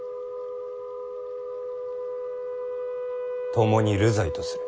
ともに流罪とする。